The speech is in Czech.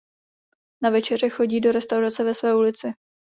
Na večeře chodí do restaurace ve své ulici.